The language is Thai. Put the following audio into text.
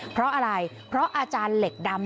เพราะอะไรเพราะอาจารย์เหล็กดำ